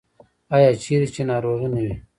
آیا چیرې چې ناروغي نه وي؟